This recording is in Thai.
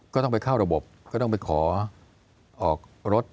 ก็ต้องไปเข้าระบบก็ต้องไปขอออกรถ